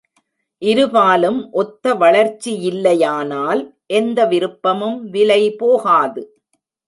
இருபாலும் ஒத்த வளர்ச்சியில்லை யானால் எந்த விருப்பமும் விலை போகாது!